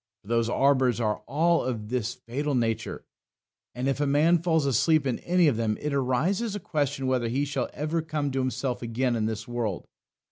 For those arbours are all of this fatal nature, that if a man falls asleep in any of them it arises a question whether he shall ever come to himself again in this world.